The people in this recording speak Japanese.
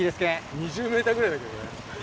２０ｍぐらいだけどね。